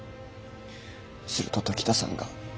すると時田さんが。